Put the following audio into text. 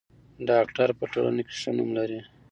ډاکټر په ټولنه کې ښه نوم لري.